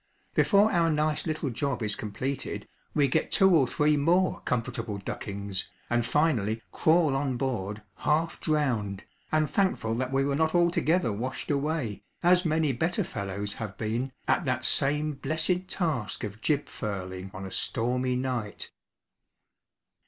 Before our nice little job is completed, we get two or three more comfortable duckings, and finally crawl on board half drowned, and thankful that we were not altogether washed away, as many better fellows have been, at that same blessed task of jib furling on a stormy night.